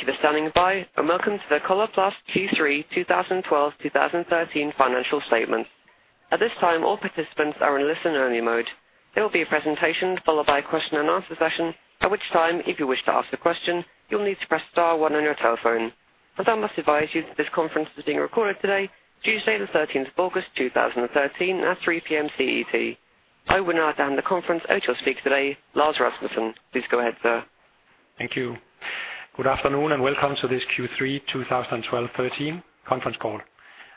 Thank you for standing by, and welcome to the Coloplast Q3 2012/2013 financial statement. At this time, all participants are in listen-only mode. There will be a presentation, followed by a question-and-answer session, at which time, if you wish to ask a question, you'll need to press star 1 on your telephone. I must advise you that this conference is being recorded today, Tuesday, the 13 August, 2013, at 3:00 P.M. CET. I will now hand the conference over to our speaker today, Lars Rasmussen. Please go ahead, sir. Thank you. Good afternoon, and welcome to this Q3 2012/2013 conference call.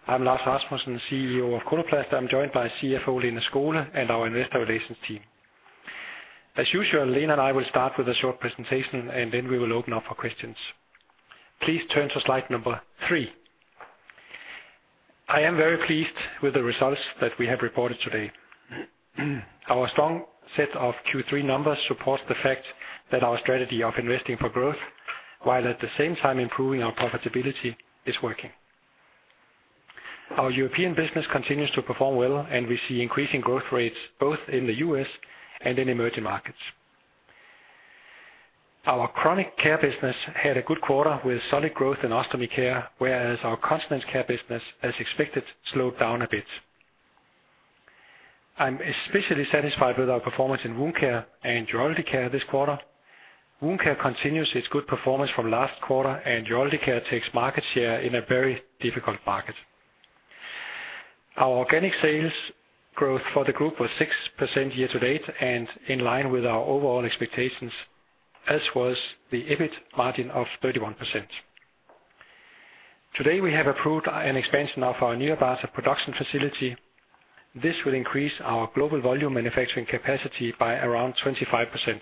I'm Lars Rasmussen, CEO of Coloplast. I'm joined by CFO Lene Skole and our investor relations team. As usual, Lene and I will start with a short presentation, and then we will open up for questions. Please turn to slide number three. I am very pleased with the results that we have reported today. Our strong set of Q3 numbers supports the fact that our strategy of investing for growth, while at the same time improving our profitability, is working. Our European business continues to perform well, and we see increasing growth rates both in the U.S. and in emerging markets. Our chronic care business had a good quarter, with solid growth in Ostomy Care, whereas our Continence Care business, as expected, slowed down a bit. I'm especially satisfied with our performance in wound care and urology care this quarter. Wound care continues its good performance from last quarter, and urology care takes market share in a very difficult market. Our organic sales growth for the group was 6% year to date and in line with our overall expectations, as was the EBIT margin of 31%. Today, we have approved an expansion of our Nærum production facility. This will increase our global volume manufacturing capacity by around 25%.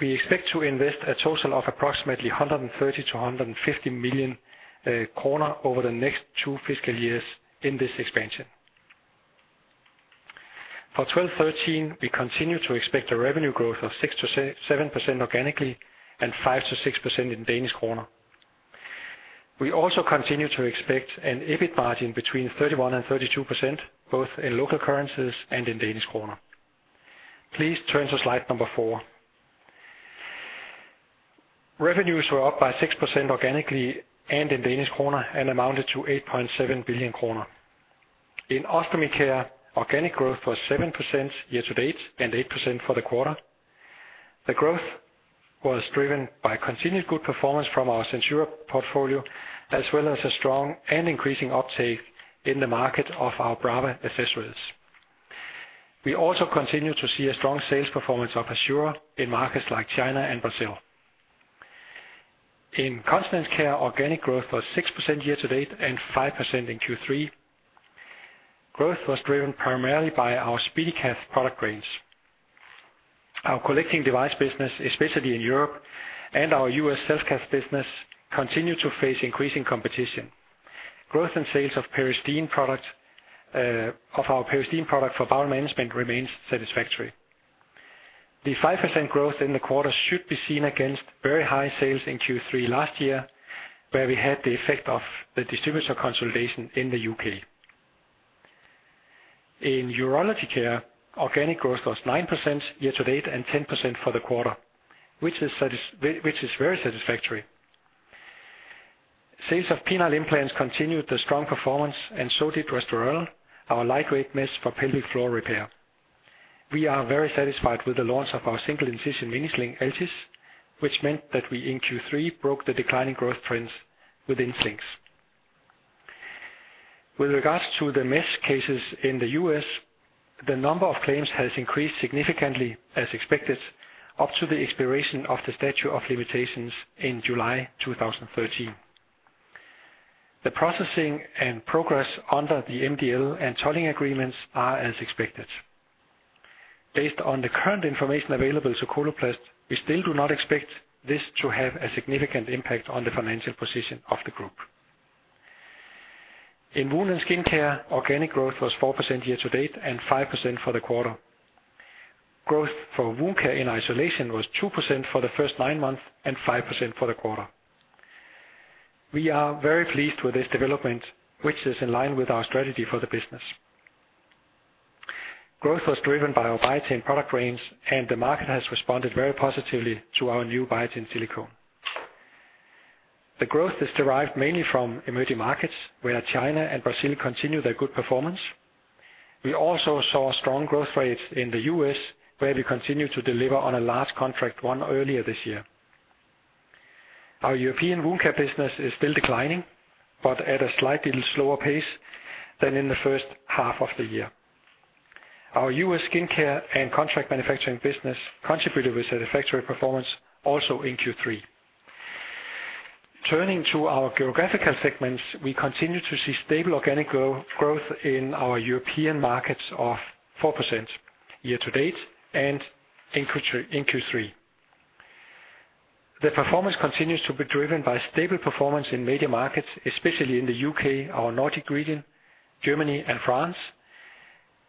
We expect to invest a total of approximately 130 million-150 million kroner over the next two fiscal years in this expansion. For 2013, we continue to expect a revenue growth of 6%-7% organically and 5%-6% in Danish kroner. We also continue to expect an EBIT margin between 31% and 32%, both in local currencies and in Danish kroner. Please turn to slide number four. Revenues were up by 6% organically and in Danish kroner and amounted to 8.7 billion kroner. In Ostomy Care, organic growth was 7% year to date and 8% for the quarter. The growth was driven by continued good performance from our SenSura portfolio, as well as a strong and increasing uptake in the market of our Brava accessories. We also continue to see a strong sales performance of Assura in markets like China and Brazil. In Continence Care, organic growth was 6% year to date and 5% in Q3. Growth was driven primarily by our SpeediCath product range. Our collecting device business, especially in Europe, and our U.S. Self-Cath business, continue to face increasing competition. Growth in sales of Peristeen products, of our Peristeen product for bowel management remains satisfactory. The 5% growth in the quarter should be seen against very high sales in Q3 last year, where we had the effect of the distributor consolidation in the U.K. In urology care, organic growth was 9% year to date and 10% for the quarter, which is very satisfactory. Sales of penile implants continued the strong performance, and so did Restorelle, our lightweight mesh for pelvic floor repair. We are very satisfied with the launch of our single-incision mini sling, Altis, which meant that we, in Q3, broke the declining growth trends within slings. With regards to the mesh cases in the U.S., the number of claims has increased significantly, as expected, up to the expiration of the statute of limitations in July 2013. The processing and progress under the MDL and tolling agreements are as expected. Based on the current information available to Coloplast, we still do not expect this to have a significant impact on the financial position of the group. In wound and skin care, organic growth was 4% year to date and 5% for the quarter. Growth for wound care in isolation was 2% for the first nine months and 5% for the quarter. We are very pleased with this development, which is in line with our strategy for the business. Growth was driven by our Biatain product range, and the market has responded very positively to our new Biatain Silicone. The growth is derived mainly from emerging markets, where China and Brazil continue their good performance. We also saw strong growth rates in the U.S., where we continue to deliver on a large contract won earlier this year. Our European wound care business is still declining, at a slightly slower pace than in the first half of the year. Our U.S. skincare and contract manufacturing business contributed with satisfactory performance also in Q3. Turning to our geographical segments, we continue to see stable organic growth in our European markets of 4% year to date and in Q3. The performance continues to be driven by stable performance in major markets, especially in the U.K., our Nordic region, Germany, and France,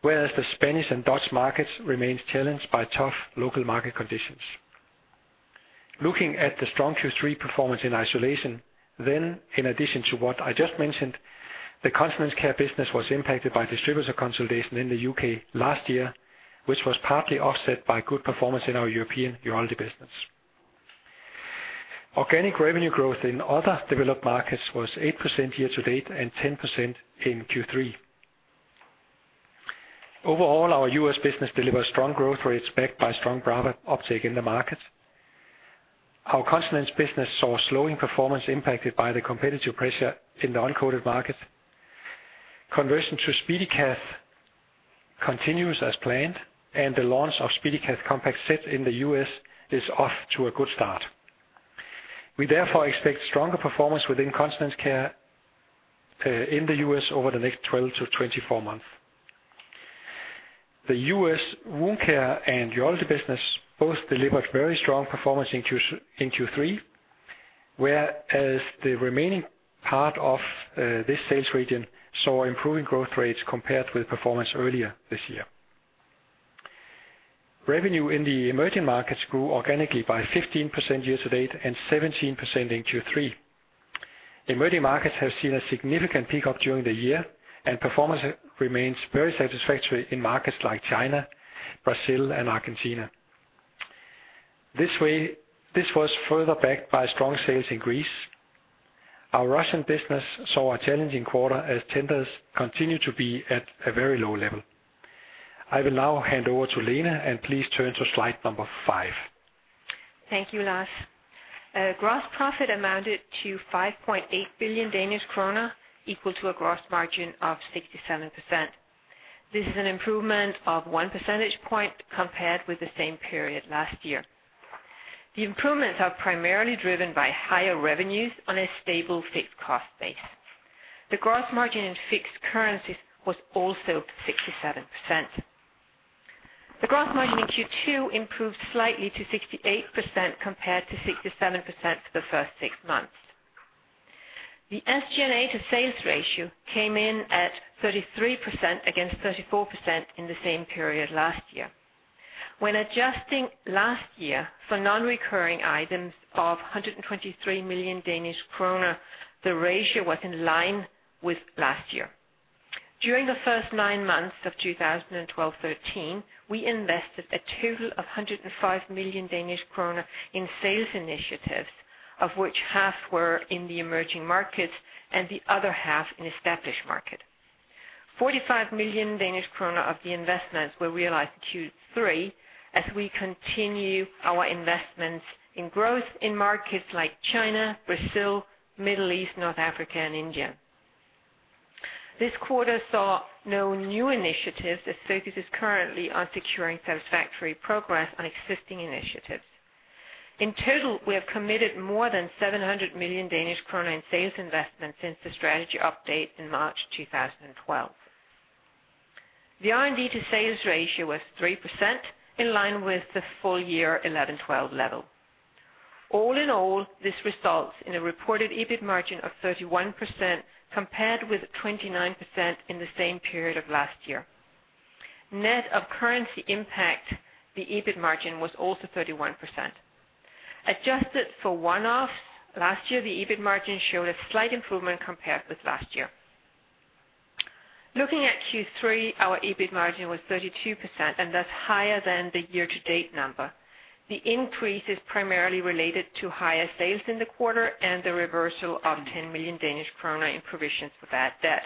whereas the Spanish and Dutch markets remain challenged by tough local market conditions. Looking at the strong Q3 performance in isolation, then, in addition to what I just mentioned. The Continence Care business was impacted by distributor consolidation in the UK last year, which was partly offset by good performance in our European urology business. Organic revenue growth in other developed markets was 8% year-to-date, and 10% in Q3. Overall, our US business delivered strong growth rates, backed by strong product uptake in the market. Our continence business saw a slowing performance impacted by the competitive pressure in the uncoated market. Conversion to SpeediCath continues as planned, and the launch of SpeediCath Compact Set in the US is off to a good start. We therefore expect stronger performance within Continence Care in the US over the next 12 to 24 months. The U.S. Wound Care and Urology business both delivered very strong performance in Q3, whereas the remaining part of this sales region saw improving growth rates compared with performance earlier this year. Revenue in the emerging markets grew organically by 15% year-to-date and 17% in Q3. Emerging markets have seen a significant pickup during the year, and performance remains very satisfactory in markets like China, Brazil, and Argentina. This was further backed by strong sales in Greece. Our Russian business saw a challenging quarter as tenders continue to be at a very low level. I will now hand over to Lene, please turn to slide number five. Thank you, Lars. Gross profit amounted to 5.8 billion Danish krone, equal to a gross margin of 67%. This is an improvement of 1 percentage point compared with the same period last year. The improvements are primarily driven by higher revenues on a stable fixed cost base. The gross margin in fixed currencies was also 67%. The gross margin in Q2 improved slightly to 68%, compared to 67% for the first six months. The SG&A to sales ratio came in at 33%, against 34% in the same period last year. When adjusting last year for non-recurring items of 123 million Danish kroner, the ratio was in line with last year. During the first nine months of 2012/2013, we invested a total of 105 million Danish kroner in sales initiatives, of which half were in the emerging markets and the other half in established market. 45 million Danish kroner of the investments were realized in Q3, as we continue our investments in growth in markets like China, Brazil, Middle East, North Africa, and India. This quarter saw no new initiatives, as focus is currently on securing satisfactory progress on existing initiatives. In total, we have committed more than 700 million Danish kroner in sales investments since the strategy update in March 2012. The R&D to sales ratio was 3%, in line with the full year 2011/2012 level. All in all, this results in a reported EBIT margin of 31%, compared with 29% in the same period of last year. Net of currency impact, the EBIT margin was also 31%. Adjusted for one-offs last year, the EBIT margin showed a slight improvement compared with last year. Looking at Q3, our EBIT margin was 32%, and that's higher than the year-to-date number. The increase is primarily related to higher sales in the quarter and the reversal of 10 million Danish kroner in provisions for bad debt.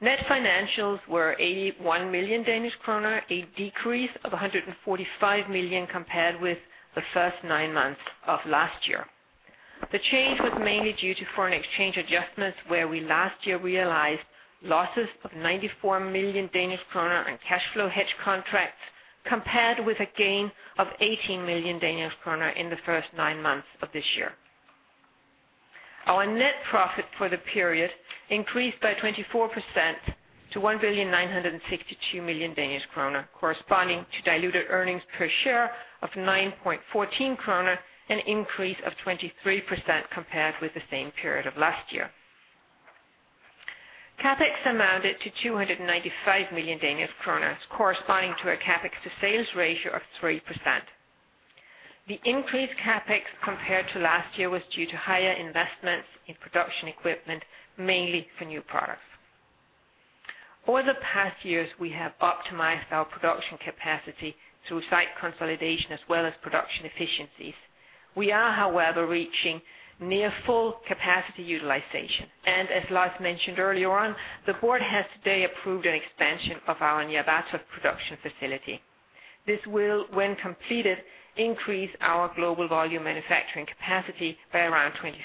Net financials were 81 million Danish kroner, a decrease of 145 million compared with the first nine months of last year. The change was mainly due to foreign exchange adjustments, where we last year realized losses of 94 million Danish kroner in cash flow hedge contracts, compared with a gain of 18 million Danish kroner in the first nine months of this year. Our net profit for the period increased by 24% to 1,962 million Danish kroner, corresponding to diluted earnings per share of 9.14 kroner, an increase of 23% compared with the same period of last year. CapEx amounted to 295 million Danish kroner, corresponding to a CapEx to sales ratio of 3%. The increased CapEx compared to last year, was due to higher investments in production equipment, mainly for new products. Over the past years, we have optimized our production capacity through site consolidation as well as production efficiencies. We are, however, reaching near full capacity utilization, and as Lars mentioned earlier on, the board has today approved an expansion of our Nyírbátor production facility. This will, when completed, increase our global volume manufacturing capacity by around 25%.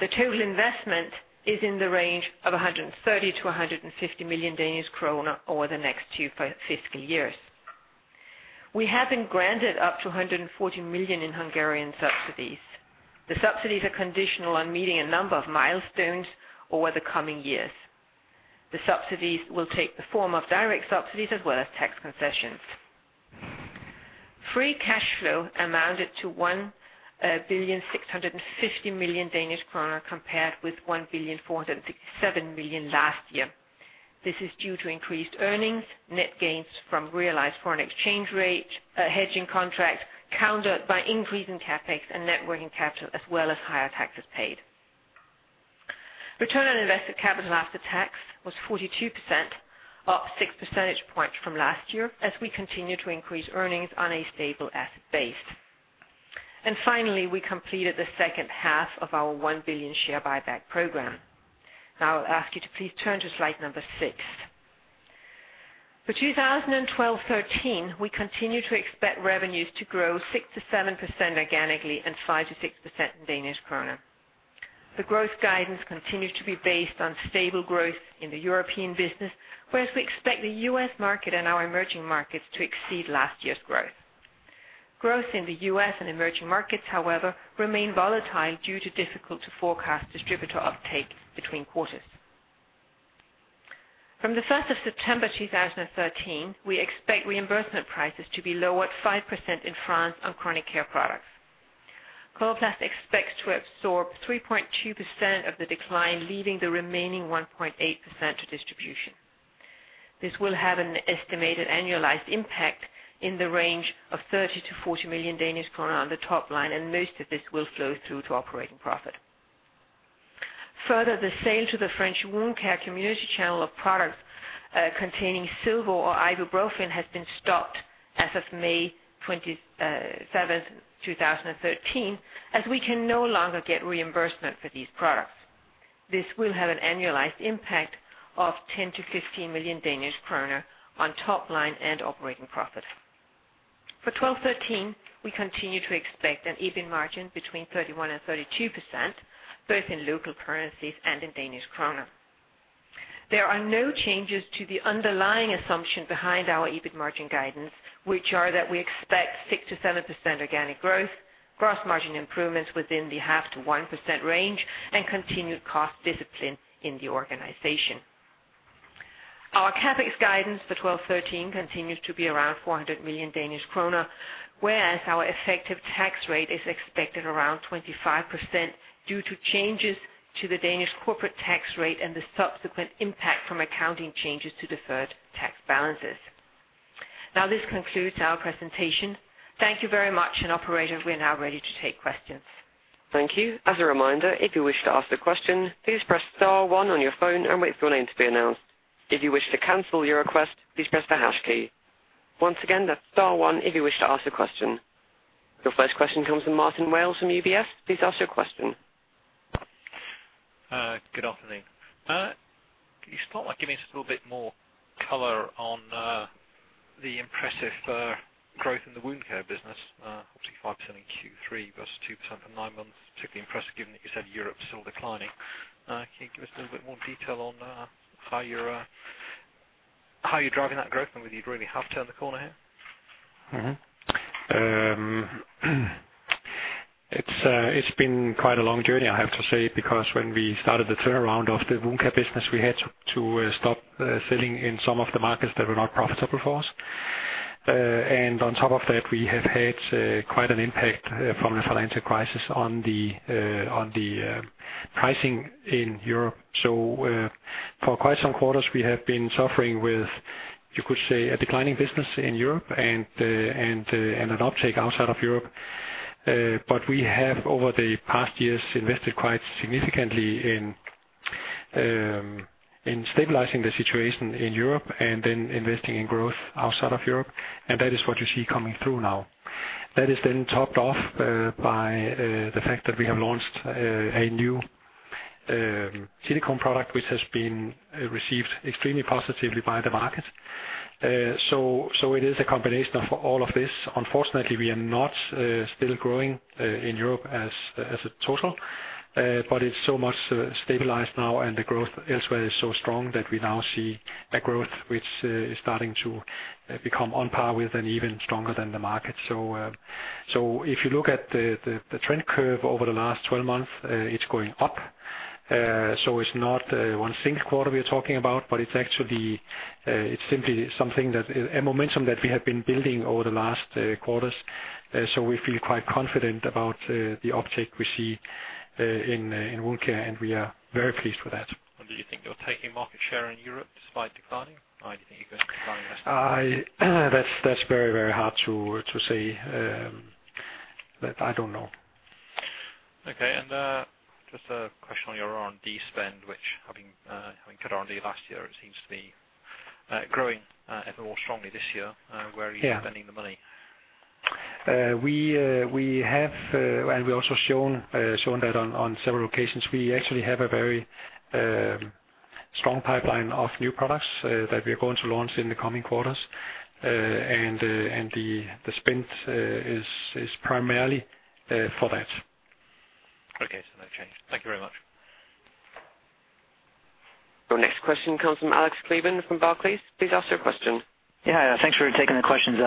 The total investment is in the range of 130 million-150 million Danish kroner over the next two fiscal years. We have been granted up to 140 million in Hungarian subsidies. The subsidies are conditional on meeting a number of milestones over the coming years. The subsidies will take the form of direct subsidies as well as tax concessions. Free cash flow amounted to 1.65 billion, compared with 1.407 billion last year. This is due to increased earnings, net gains from realized foreign exchange rate hedging contracts, countered by increase in CapEx and net working capital, as well as higher taxes paid. Return on invested capital after tax was 42%, up six percentage points from last year, as we continue to increase earnings on a stable asset base. Finally, we completed the second half of our 1 billion share buyback program. I'll ask you to please turn to slide six. For 2012-2013, we continue to expect revenues to grow 6%-7% organically, and 5%-6% in DKK. The growth guidance continues to be based on stable growth in the European business, whereas we expect the U.S. market and our emerging markets to exceed last year's growth. Growth in the U.S. and emerging markets, however, remain volatile due to difficult to forecast distributor uptake between quarters. From the 1 September 2013, we expect reimbursement prices to be lowered 5% in France on chronic care products. Coloplast expects to absorb 3.2% of the decline, leaving the remaining 1.8% to distribution. This will have an estimated annualized impact in the range of 30 million-40 million Danish kroner on the top line, and most of this will flow through to operating profit. Further, the sale to the French wound care community channel of products containing silver or ibuprofen has been stopped as of May 27, 2013, as we can no longer get reimbursement for these products. This will have an annualized impact of 10 million-15 million Danish kroner on top line and operating profit. For 2012-2013, we continue to expect an EBIT margin between 31%-32%, both in local currencies and in Danish kroner. There are no changes to the underlying assumption behind our EBIT margin guidance, which are that we expect 6% to 7% organic growth, gross margin improvements within the half to 1% range, and continued cost discipline in the organization. Our CapEx guidance for 2012-2013 continues to be around 400 million Danish kroner, whereas our effective tax rate is expected around 25% due to changes to the Danish corporate tax rate and the subsequent impact from accounting changes to deferred tax balances. This concludes our presentation. Thank you very much, and operator, we're now ready to take questions. Thank you. As a reminder, if you wish to ask a question, please press star 1 on your phone and wait for your name to be announced. If you wish to cancel your request, please press the hash key. Once again, that's star 1 if you wish to ask a question. Your first question comes from Martin Wales from UBS. Please ask your question. Good afternoon. Could you start by giving us a little bit more color on the impressive growth in the wound care business? Obviously, 5% in Q3 versus 2% for nine months, particularly impressive given that you said Europe is still declining. Can you give us a little bit more detail on how you're driving that growth and whether you've really have turned the corner here? It's been quite a long journey, I have to say, because when we started the turnaround of the wound care business, we had to stop selling in some of the markets that were not profitable for us. On top of that, we have had quite an impact from the financial crisis on the pricing in Europe. For quite some quarters, we have been suffering with, you could say, a declining business in Europe and an uptake outside of Europe. We have, over the past years, invested quite significantly in stabilizing the situation in Europe and then investing in growth outside of Europe, and that is what you see coming through now. That is then topped off by the fact that we have launched a new silicone product, which has been received extremely positively by the market. It is a combination of all of this. Unfortunately, we are not still growing in Europe as a total, but it's so much stabilized now, and the growth elsewhere is so strong that we now see a growth which is starting to become on par with and even stronger than the market. If you look at the trend curve over the last 12 months, it's going up. It's not one single quarter we are talking about, but it's actually simply something that a momentum that we have been building over the last quarters. We feel quite confident about the uptake we see in wound care, and we are very pleased with that. Do you think you're taking market share in Europe despite declining, or do you think you're going to decline less? I, that's very hard to say. I don't know. Okay. Just a question on your R&D spend, which having cut R&D last year, it seems to be growing ever more strongly this year. Where are you- Yeah. spending the money? We have, and we also shown that on several occasions, we actually have a very strong pipeline of new products that we are going to launch in the coming quarters. The spend is primarily for that. Okay, so no change. Thank you very much. Your next question comes from Hassan Al-Wakeel from Barclays. Please ask your question. Yeah, thanks for taking the questions.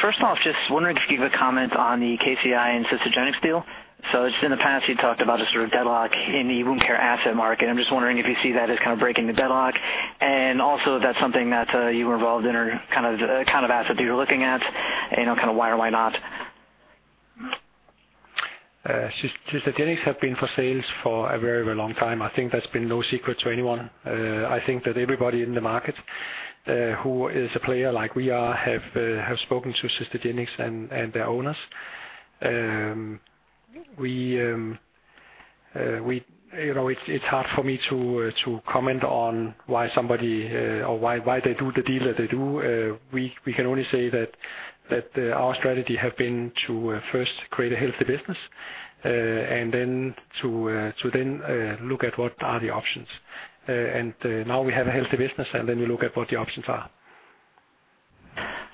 First off, just wondering if you could comment on the KCI and Systagenix deal. Just in the past, you talked about a sort of deadlock in the wound care asset market. I'm just wondering if you see that as kind of breaking the deadlock, and also if that's something that you were involved in or kind of, the kind of asset that you're looking at, and kind of why or why not? Systagenix have been for sales for a very, very long time. I think that's been no secret to anyone. I think that everybody in the market who is a player like we are, have spoken to Systagenix and their owners. We, you know, it's hard for me to comment on why somebody or why they do the deal that they do. We can only say that, our strategy have been to first create a healthy business and then to then look at what are the options. Now we have a healthy business, and then we look at what the options are.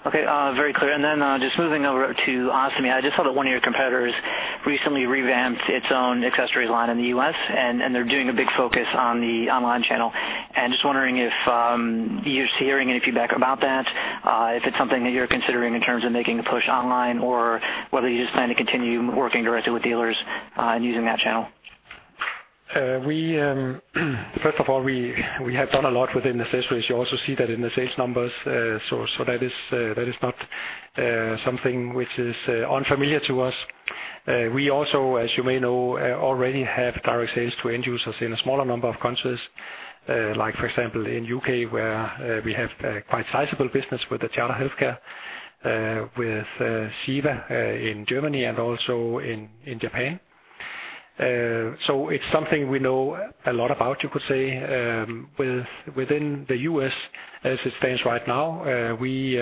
Okay, very clear. Just moving over to Ostomy. I just saw that one of your competitors recently revamped its own accessories line in the U.S., and they're doing a big focus on the online channel. Just wondering if you're hearing any feedback about that, if it's something that you're considering in terms of making a push online, or whether you just plan to continue working directly with dealers and using that channel. First of all, we have done a lot within accessories. You also see that in the sales numbers. That is not something which is unfamiliar to us. We also, as you may know, already have direct sales to end users in a smaller number of countries. For example, in U.K., where we have a quite sizable business with the Charter Healthcare, with Shiva, in Germany and also in Japan. It's something we know a lot about, you could say. Within the U.S., as it stands right now, we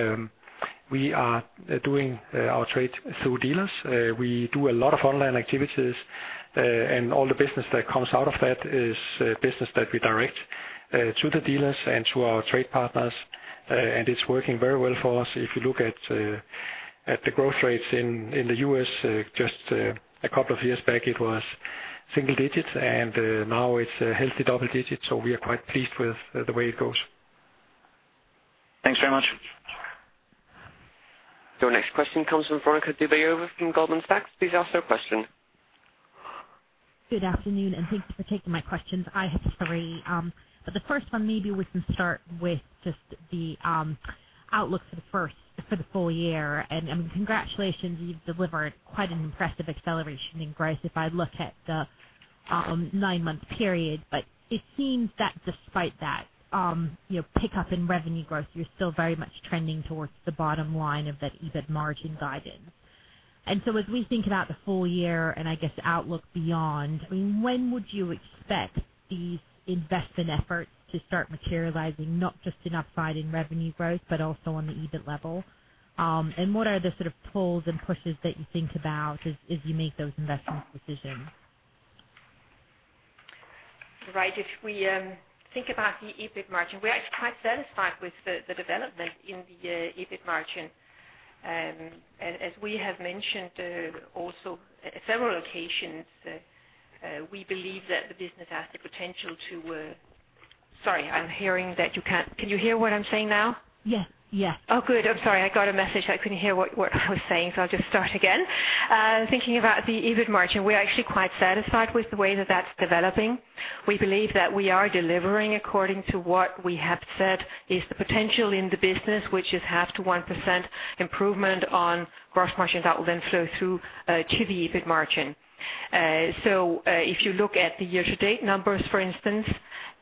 are doing our trade through dealers. We do a lot of online activities, and all the business that comes out of that is business that we direct to the dealers and to our trade partners. It's working very well for us. If you look at the growth rates in the U.S., just a couple of years back, it was single digits, and now it's a healthy double digits, so we are quite pleased with the way it goes. Thanks very much. Your next question comes from Veronika Dubajova from Goldman Sachs. Please ask your question. Good afternoon. Thank you for taking my questions. I have three. The first one, maybe we can start with just the outlook for the full year. Congratulations, you've delivered quite an impressive acceleration in growth if I look at the nine-month period. It seems that despite that, you know, pickup in revenue growth, you're still very much trending towards the bottom line of that EBIT margin guidance. As we think about the full year, and I guess outlook beyond, I mean, when would you expect these investment efforts to start materializing, not just in upside in revenue growth, but also on the EBIT level? What are the sort of pulls and pushes that you think about as you make those investment decisions? If we think about the EBIT margin, we're actually quite satisfied with the development in the EBIT margin. As we have mentioned, also several occasions, we believe that the business has the potential to... Sorry, I'm hearing that Can you hear what I'm saying now? Yes, yes. Oh, good. I'm sorry. I got a message. I couldn't hear what I was saying, so I'll just start again. Thinking about the EBIT margin, we're actually quite satisfied with the way that that's developing. We believe that we are delivering according to what we have said is the potential in the business, which is half to 1% improvement on gross margins that will then flow through to the EBIT margin. If you look at the year-to-date numbers, for instance,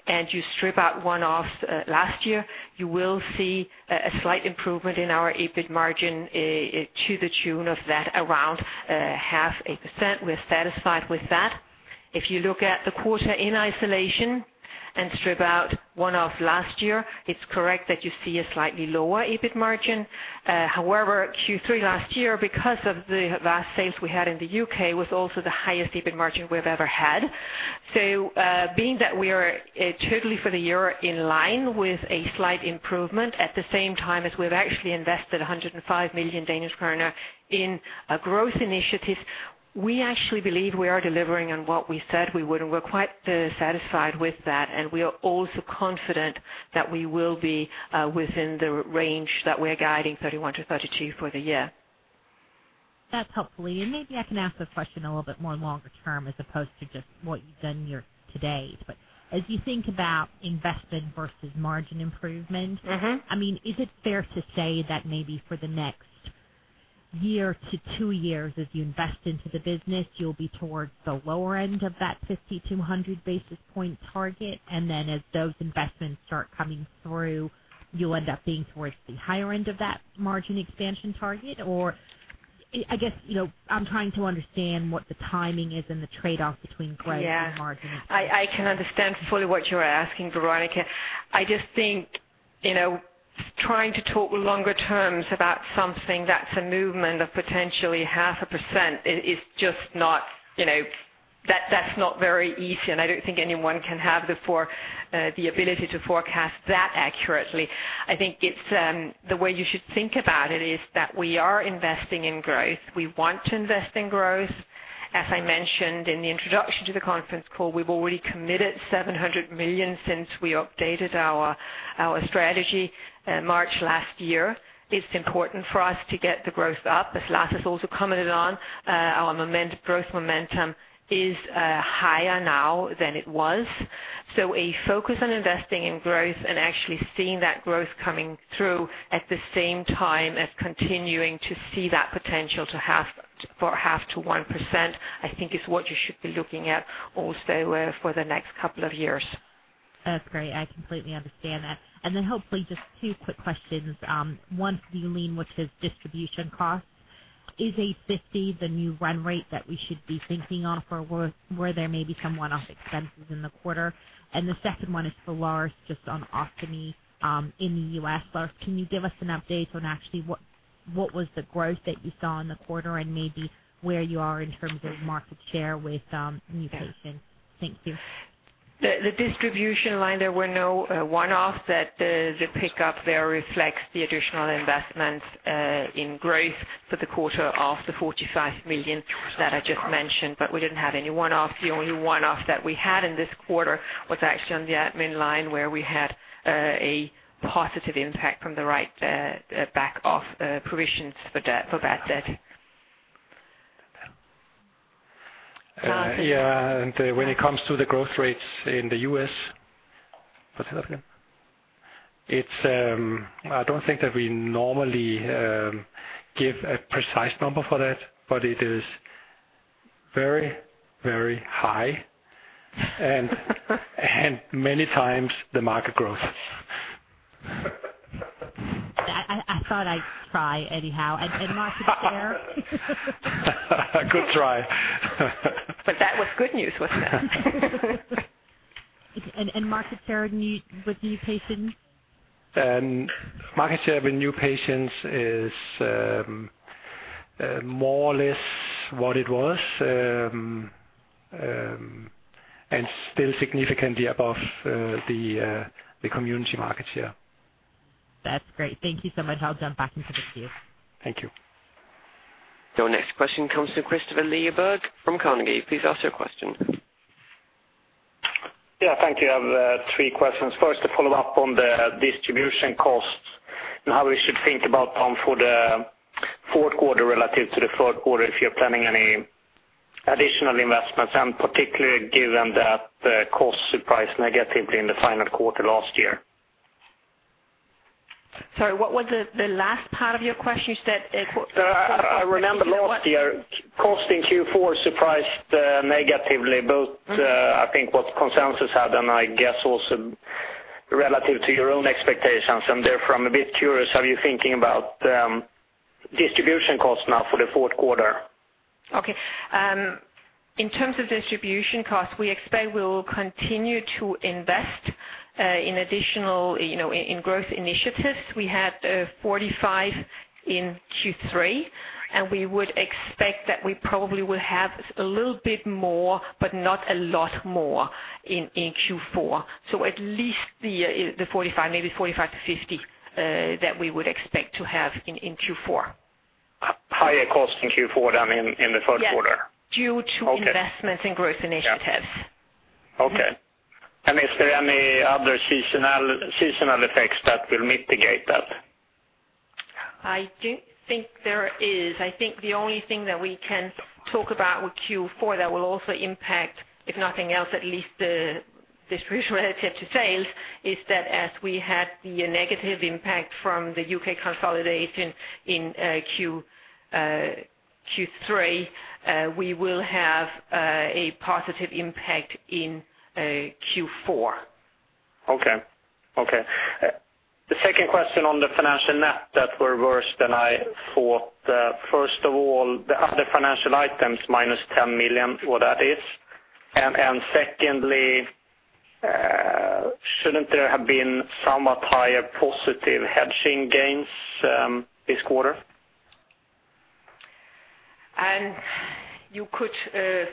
and you strip out one-offs last year, you will see a slight improvement in our EBIT margin to the tune of that, around half a percent. We're satisfied with that. If you look at the quarter in isolation and strip out one-off last year, it's correct that you see a slightly lower EBIT margin. However, Q3 last year, because of the last sales we had in the U.K., was also the highest EBIT margin we've ever had. Being that we are, totally for the year in line with a slight improvement, at the same time as we've actually invested 105 million Danish kroner in a growth initiative, we actually believe we are delivering on what we said we would, and we're quite satisfied with that, and we are also confident that we will be within the range that we're guiding, 31%-32%, for the year. That's helpful. Maybe I can ask a question a little bit more longer term, as opposed to just what you've done year to date. As you think about investment versus margin improvement? Mm-hmm. I mean, is it fair to say that maybe for the next year to two years, as you invest into the business, you'll be towards the lower end of that 50-100 basis point target, and then as those investments start coming through, you'll end up being towards the higher end of that margin expansion target? I guess, you know, I'm trying to understand what the timing is and the trade-off between growth- Yeah. Margin. I can understand fully what you're asking, Veronika. I just think, you know, trying to talk longer terms about something that's a movement of potentially 0.5% is just not, you know, that's not very easy, and I don't think anyone can have the ability to forecast that accurately. I think it's the way you should think about it is that we are investing in growth. We want to invest in growth. As I mentioned in the introduction to the conference call, we've already committed 700 million since we updated our strategy in March last year. It's important for us to get the growth up. As Lasse has also commented on, our growth momentum is higher now than it was. A focus on investing in growth and actually seeing that growth coming through, at the same time as continuing to see that potential to half, for half to 1%, I think is what you should be looking at also, for the next couple of years. That's great. I completely understand that. Hopefully, just two quick questions. One, do you mean, which is distribution costs, is 850 the new run rate that we should be thinking of, or were there maybe some one-off expenses in the quarter? The second one is for Lars, just on Ostomy, in the U.S. Lars, can you give us an update on actually what was the growth that you saw in the quarter, and maybe where you are in terms of market share with new patients? Thank you. The distribution line, there were no one-offs that the pickup there reflects the additional investments in growth for the quarter of 45 million that I just mentioned. We didn't have any one-offs. The only one-off that we had in this quarter was actually on the admin line, where we had a positive impact from the right back of provisions for bad debt. Yeah, when it comes to the growth rates in the U.S., it's I don't think that we normally give a precise number for that, but it is very, very high. Many times the market growth. I thought I'd try anyhow, and market share? Good try. That was good news, wasn't it? market share with new patients? Market share with new patients is more or less what it was, and still significantly above the community market share. That's great. Thank you so much. I'll jump back into the queue. Thank you. The next question comes from Christoffer Møller from Carnegie. Please ask your question. Thank you. I have three questions. First, to follow up on the distribution costs and how we should think about them for the Q4 relative to the Q3, if you're planning any additional investments, and particularly given that the costs surprised negatively in the final quarter last year? Sorry, what was the last part of your question? You said it was. I remember last year, costing Q4 surprised negatively, both, I think what consensus had, and I guess also relative to your own expectations. Therefore I'm a bit curious, are you thinking about distribution costs now for the Q4? In terms of distribution costs, we expect we will continue to invest, you know, in additional growth initiatives. We had 45 in Q3, and we would expect that we probably will have a little bit more, but not a lot more in Q4. At least the 45, maybe 45-50, that we would expect to have in Q4. Higher costs in Q4 than in the Q1? Yes, due to. Okay. investments in growth initiatives. Yeah. Okay. Is there any other seasonal effects that will mitigate that? I don't think there is. I think the only thing that we can talk about with Q4 that will also impact, if nothing else, at least the distribution relative to sales, is that as we had the negative impact from the U.K. consolidation in Q3, we will have a positive impact in Q4. Okay. Okay. The second question on the financial net that were worse than I thought. First of all, the other financial items, minus 10 million, what that is? Secondly, shouldn't there have been somewhat higher positive hedging gains this quarter?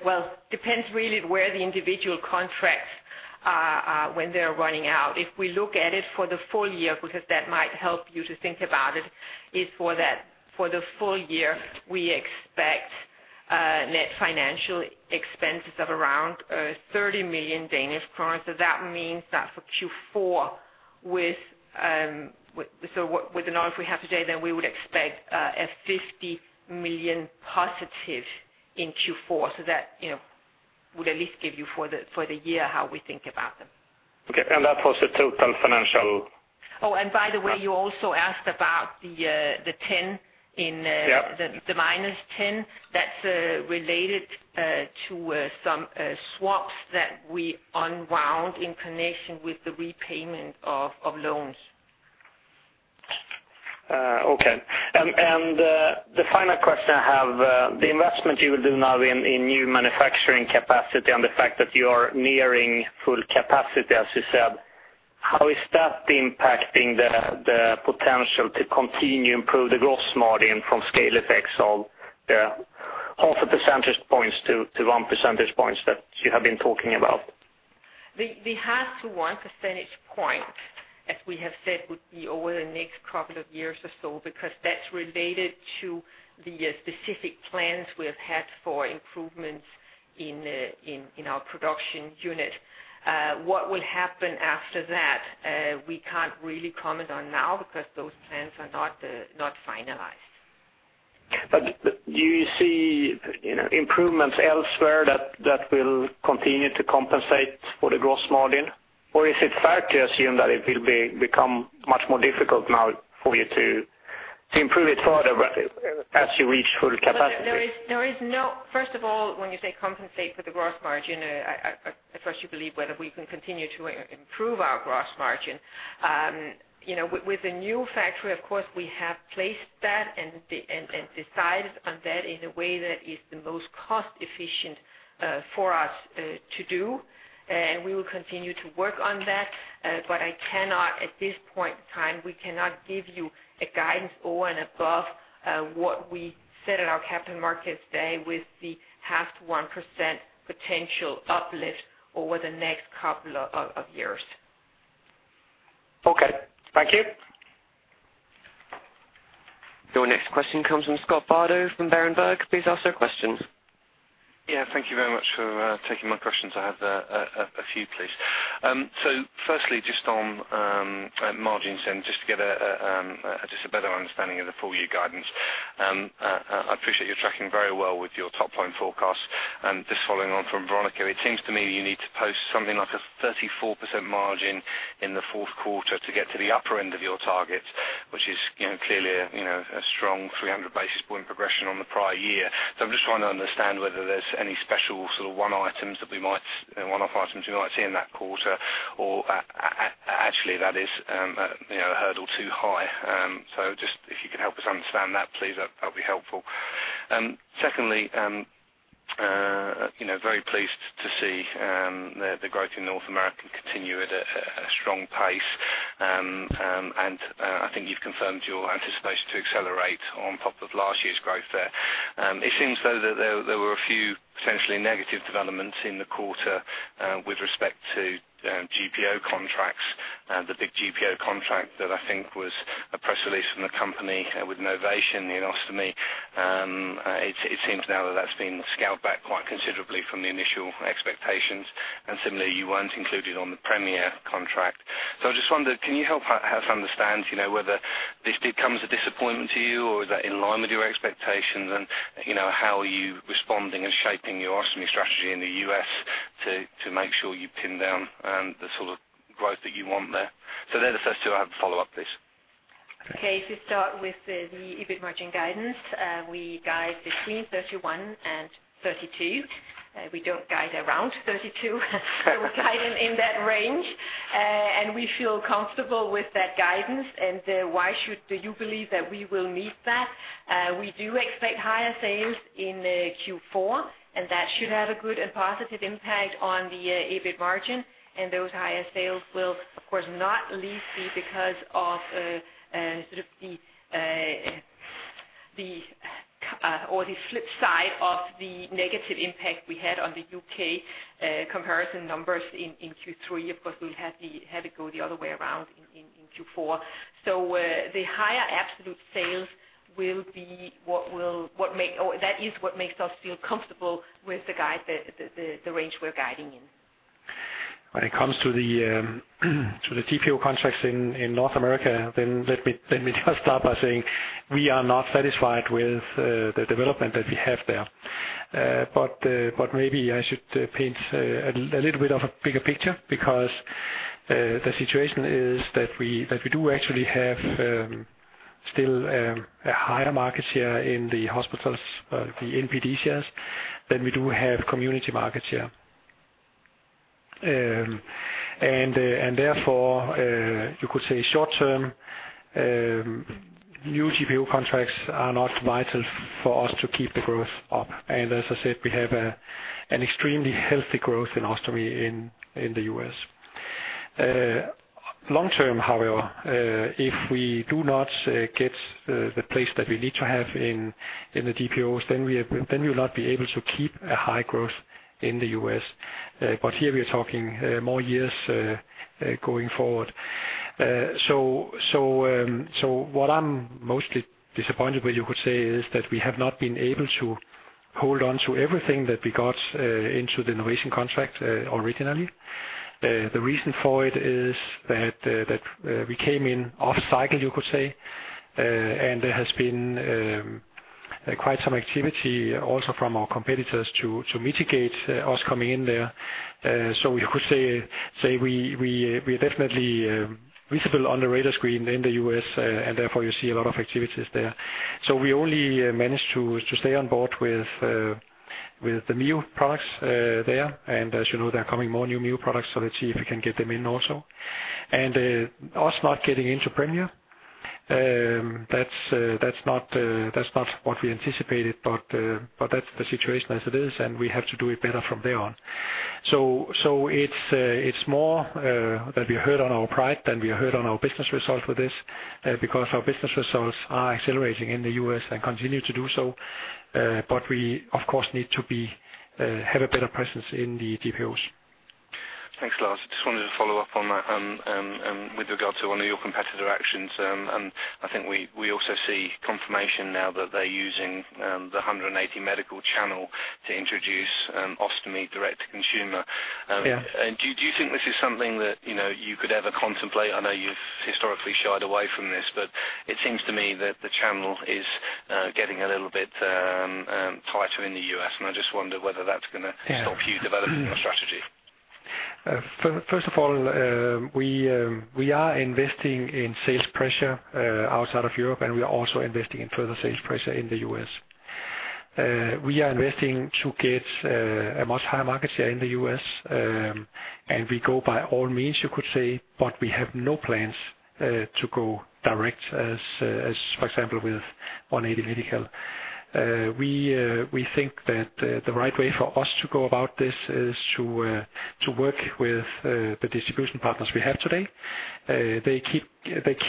Well, depends really where the individual contracts are, when they're running out. If we look at it for the full year, because that might help you to think about it, is for that, for the full year, we expect net financial expenses of around 30 million. That means that for Q4, with the knowledge we have today, we would expect a 50 million positive in Q4. That, you know, would at least give you for the year, how we think about them. Okay. That was the total financial? Oh, by the way, you also asked about the 10. Yeah. -the -10. That's related to some swaps that we unwound in connection with the repayment of loans. Okay. The final question I have, the investment you will do now in new manufacturing capacity and the fact that you are nearing full capacity, as you said, how is that impacting the potential to continue improve the gross margin from scale effects of the half a percentage points to 1 percentage point that you have been talking about? The half to one percentage point, as we have said, would be over the next couple of years or so, because that's related to the specific plans we've had for improvements in our production unit. What will happen after that, we can't really comment on now, because those plans are not finalized. Do you see, you know, improvements elsewhere that will continue to compensate for the gross margin? Is it fair to assume that it will become much more difficult now for you to-... to improve it further, but as you reach full capacity? There is no, first of all, when you say compensate for the gross margin, I, of course, you believe whether we can continue to improve our gross margin. You know, with the new factory, of course, we have placed that and decided on that in a way that is the most cost efficient for us to do. We will continue to work on that, but I cannot, at this point in time, we cannot give you a guidance over and above what we said at our capital markets day with the half to 1% potential uplift over the next couple of years. Okay. Thank you. Your next question comes from Scott Bardo from Berenberg. Please ask your questions. Thank you very much for taking my questions. I have a few, please. Firstly, just on margins and just to get a better understanding of the full year guidance. I appreciate you're tracking very well with your top line forecast. Just following on from Veronica, it seems to me you need to post something like a 34% margin in the Q4 to get to the upper end of your target, which is, you know, clearly a, you know, a strong 300 basis point progression on the prior year. I'm just trying to understand whether there's any special sort of one-off items we might see in that quarter, or actually, that is, you know, a hurdle too high. Just if you could help us understand that, please, that'd be helpful. Secondly, you know, very pleased to see the growth in North America continue at a strong pace. I think you've confirmed your anticipation to accelerate on top of last year's growth there. It seems though, that there were a few potentially negative developments in the quarter with respect to GPO contracts. The big GPO contract that I think was a press release from the company with Novation, the Ostomy. It seems now that that's been scaled back quite considerably from the initial expectations, and similarly, you weren't included on the Premier contract. I just wondered, can you help us understand, you know, whether this becomes a disappointment to you, or is that in line with your expectations? You know, how are you responding and shaping your Ostomy strategy in the U.S. to make sure you pin down the sort of growth that you want there? They're the first two. I have a follow-up, please. Okay, to start with the EBIT margin guidance, we guide between 31 and 32. We don't guide around 32, so we're guiding in that range. We feel comfortable with that guidance. Why should you believe that we will meet that? We do expect higher sales in Q4, and that should have a good and positive impact on the EBIT margin. Those higher sales will, of course, not least be because of sort of the or the flip side of the negative impact we had on the U.K. comparison numbers in Q3. Of course, we'll have it go the other way around in Q4. The higher absolute sales will be or that is what makes us feel comfortable with the guide, the range we're guiding in. When it comes to the GPO contracts in North America, let me just start by saying, we are not satisfied with the development that we have there. Maybe I should paint a little bit of a bigger picture, because the situation is that we do actually have still a higher market share in the hospitals, the NPD shares, than we do have community market share. Therefore, you could say short term, new GPO contracts are not vital for us to keep the growth up. As I said, we have an extremely healthy growth in Ostomy in the U.S.. Long term, however, if we do not get the place that we need to have in the GPOs, then we will not be able to keep a high growth in the U.S. Here we are talking more years going forward. What I'm mostly disappointed with, you could say, is that we have not been able to hold on to everything that we got into the Novation contract originally. The reason for it is that we came in off cycle, you could say, and there has been quite some activity also from our competitors to mitigate us coming in there. You could say we are definitely visible on the radar screen in the U.S., and therefore you see a lot of activities there. We only managed to stay on board with the new products there. As you know, there are coming more new products, so let's see if we can get them in also. Us not getting into Premier, that's not what we anticipated, but that's the situation as it is, and we have to do it better from there on. It's more that we hurt on our pride than we hurt on our business result with this, because our business results are accelerating in the U.S. and continue to do so. We, of course, need to be, have a better presence in the GPOs. Thanks, Lars. I just wanted to follow up on that with regard to one of your competitor actions. I think we also see confirmation now that they're using the 180 Medical channel to introduce Ostomy direct to consumer. Yeah. Do you think this is something that, you know, you could ever contemplate? I know you've historically shied away from this, but it seems to me that the channel is getting a little bit tighter in the U.S., and I just wonder whether that's gonna-. Yeah... stop you developing your strategy. first of all, we are investing in sales pressure outside of Europe, and we are also investing in further sales pressure in the U.S. We are investing to get a much higher market share in the U.S., and we go by all means, you could say, but we have no plans to go direct as, for example, with 180 Medical. We think that the right way for us to go about this is to work with the distribution partners we have today. They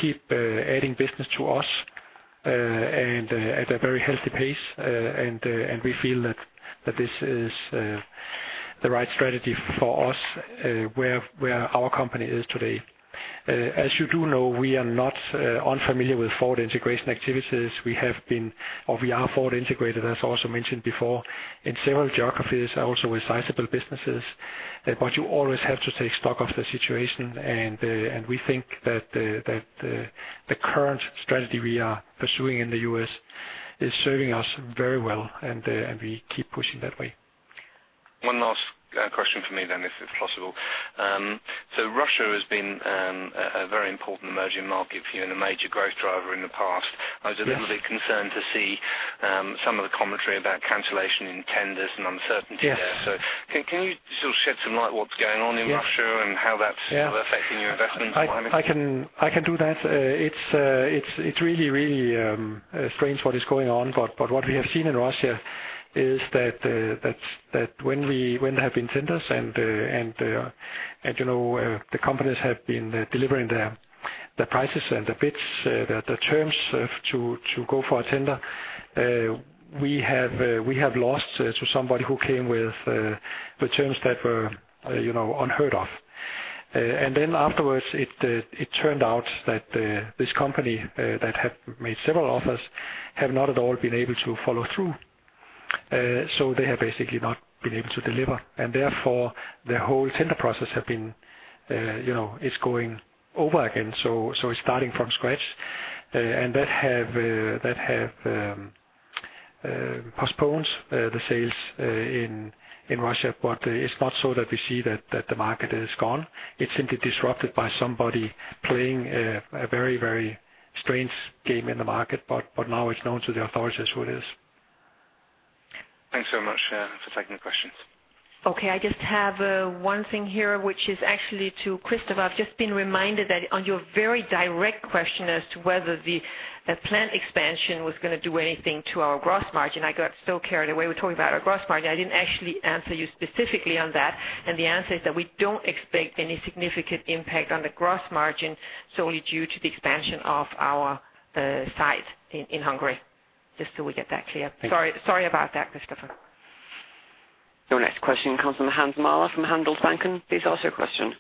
keep adding business to us, and at a very healthy pace, and we feel that this is the right strategy for us, where our company is today. As you do know, we are not unfamiliar with forward integration activities. We have been, or we are forward integrated, as also mentioned before, in several geographies, also with sizable businesses. But you always have to take stock of the situation, and we think that the, that the current strategy we are pursuing in the U.S. is serving us very well, and we keep pushing that way. One last question for me then, if it's possible. Russia has been a very important emerging market for you and a major growth driver in the past. Yes. I was a little bit concerned to see, some of the commentary about cancellation in tenders and uncertainty there. Yes. Can you sort of shed some light what's going on in Russia? Yes. how that's- Yeah. affecting your investment planning? t's really, really strange what is going on, but what we have seen in Russia is that when there have been tenders and, you know, the companies have been delivering the prices and the bids, the terms of to go for a tender, we have lost to somebody who came with terms that were, you know, unheard of. Afterwards, it turned out that this company that had made several offers have not at all been able to follow through. They have basically not been able to deliver, and therefore, the whole tender process have been, you know, it's going over again. It's starting from scratch, and that have postponed the sales in Russia. It's not so that we see that the market is gone. It's simply disrupted by somebody playing a very strange game in the market, but now it's known to the authorities who it is. Thanks so much, for taking the questions. I just have one thing here, which is actually to Christoffer. I've just been reminded that on your very direct question as to whether the plant expansion was gonna do anything to our gross margin, I got so carried away with talking about our gross margin, I didn't actually answer you specifically on that. The answer is that we don't expect any significant impact on the gross margin solely due to the expansion of our site in Hungary. Just so we get that clear. Thank you. Sorry, sorry about that, Christoffer Møller. Your next question comes from Hans Mähler, from Handelsbanken. Please ask your question.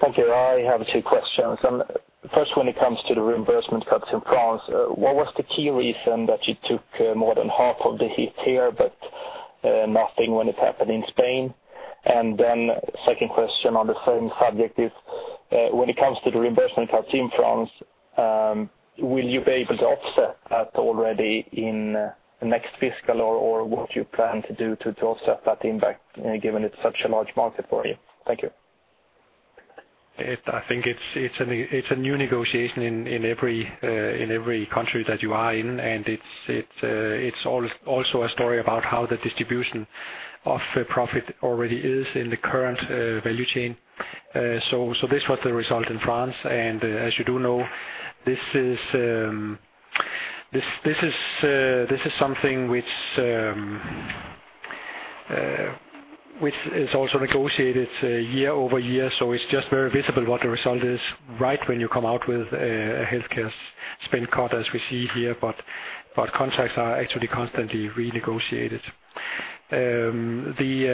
Thank you. I have two questions. First, when it comes to the reimbursement cuts in France, what was the key reason that you took more than half of the hit here, but nothing when it happened in Spain? Second question on the same subject is, when it comes to the reimbursement cuts in France, will you be able to offset that already in the next fiscal, or what do you plan to do to offset that impact, given it's such a large market for you? Thank you. I think it's a new negotiation in every country that you are in, it's also a story about how the distribution of profit already is in the current value chain. This was the result in France, as you do know, this is something which is also negotiated year-over-year, so it's just very visible what the result is, right when you come out with a healthcare spend cut, as we see here, contracts are actually constantly renegotiated. The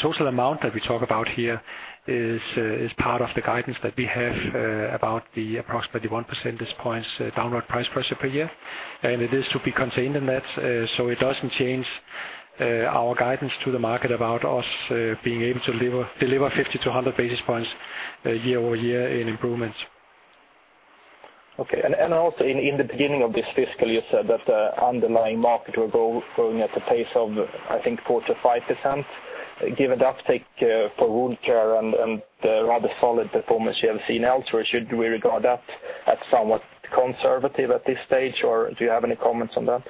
total amount that we talk about here is part of the guidance that we have about the approximately 1 percentage points downward price pressure per year, and it is to be contained in that. It doesn't change our guidance to the market about us being able to deliver 50 to 100 basis points year-over-year in improvements. Okay. Also in the beginning of this fiscal, you said that the underlying market will go growing at a pace of, I think, 4%-5%. Given the uptake for wound care and the rather solid performance you have seen elsewhere, should we regard that as somewhat conservative at this stage, or do you have any comments on that?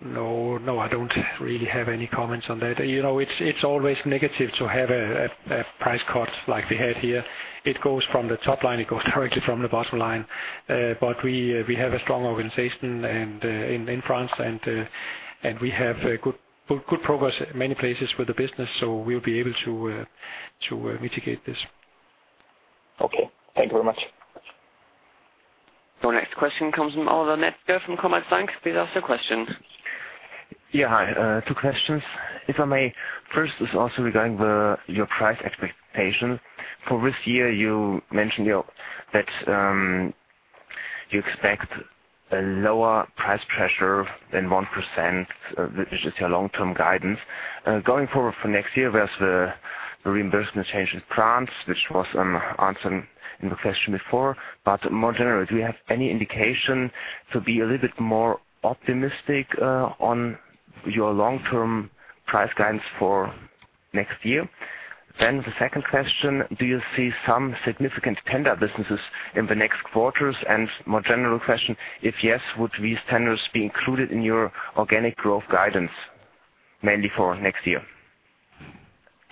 No. No, I don't really have any comments on that. You know, it's always negative to have a price cut like we had here. It goes from the top line, it goes directly from the bottom line. We have a strong organization in France, and we have good progress in many places with the business, so we'll be able to mitigate this. Okay. Thank you very much. Next question comes from Oliver Retter from Commerzbank. Please ask your question. Hi, two questions, if I may. First is also regarding your price expectation. For this year, you mentioned that you expect a lower price pressure than 1%, which is your long-term guidance. Going forward for next year.... The reimbursement change in France, which was, answered in the question before. More generally, do you have any indication to be a little bit more optimistic, on your long-term price guidance for next year? The second question, do you see some significant tender businesses in the next quarters? More general question, if yes, would these tenders be included in your organic growth guidance, mainly for next year?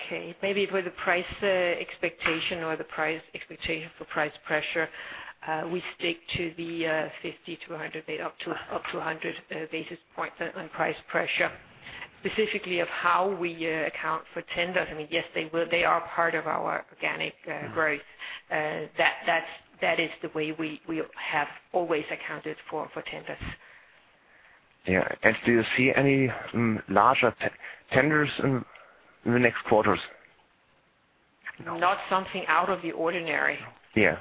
Okay, maybe for the price expectation or the price expectation for price pressure, we stick to the 50-100, up to 100 basis points on price pressure. Specifically of how we account for tenders, I mean, yes, they are part of our organic growth. That's the way we have always accounted for tenders. Yeah. Do you see any larger tenders in the next quarters? Not something out of the ordinary. Yeah.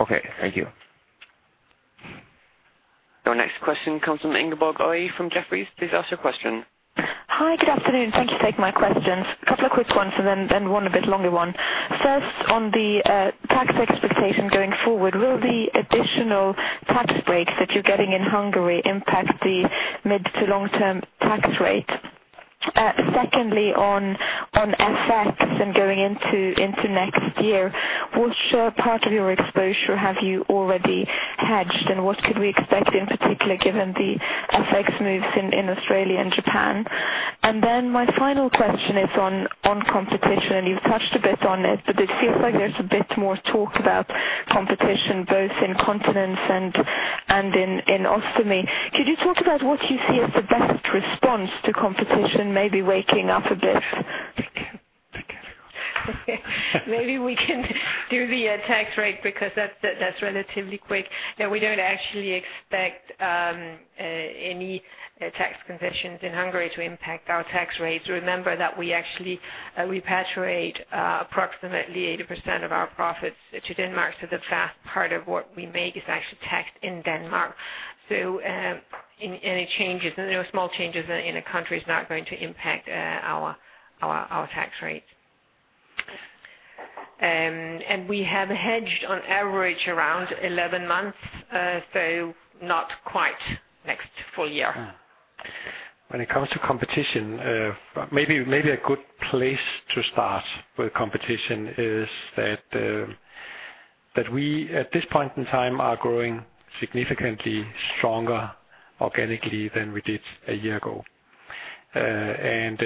Okay, thank you. Your next question comes from Ingeborg Østgård from Jefferies. Please ask your question. Hi, good afternoon. Thank you for taking my questions. A couple of quick ones, then one a bit longer one. First, on the tax expectation going forward, will the additional tax breaks that you're getting in Hungary impact the mid to long-term tax rate? Secondly, on FX going into next year, what share part of your exposure have you already hedged, and what could we expect in particular, given the FX moves in Australia and Japan? My final question is on competition, and you've touched a bit on it, but it seems like there's a bit more talk about competition, both in continents and in Ostomy. Could you talk about what you see as the best response to competition, maybe waking up a bit? Maybe we can do the tax rate, because that's relatively quick. No, we don't actually expect any tax concessions in Hungary to impact our tax rates. Remember that we actually repatriate approximately 80% of our profits to Denmark, so the vast part of what we make is actually taxed in Denmark. Any changes, you know, small changes in a country is not going to impact our tax rate. And we have hedged on average around 11 months, so not quite next full year. When it comes to competition, maybe a good place to start with competition is that we, at this point in time, are growing significantly stronger organically than we did a year ago. That